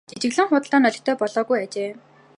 Жижиглэн худалдаа нь олигтой болоогүй ажээ.